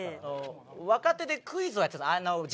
若手でクイズをやってた。